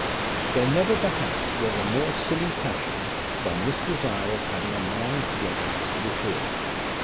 There never perhaps was a more silly passion than this desire of having a man's jests recorded.